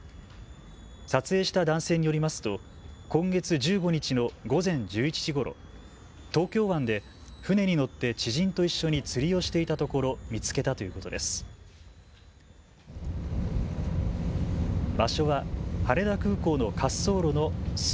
撮影した男性によりますと今月１５日の午前１１時ごろ、東京湾で船に乗って知人と一緒に釣りをしていたところ見つけたということです。